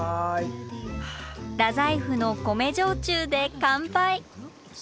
太宰府の米焼酎で乾杯。